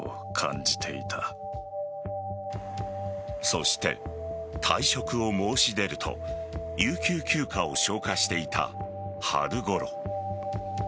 そして退職を申し出ると有給休暇を消化していた春ごろ